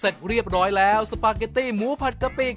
เสร็จเรียบร้อยแล้วสปาเกตตี้หมูผัดกะปิ